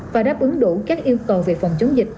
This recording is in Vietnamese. và đáp ứng đủ các yêu cầu về phòng chống dịch